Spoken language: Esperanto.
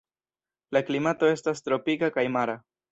La klimato estas tropika kaj mara.